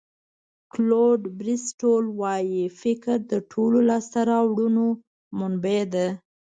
کلوډ بریسټول وایي فکر د ټولو لاسته راوړنو منبع ده.